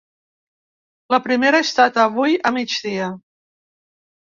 La primera ha estat avui a migdia.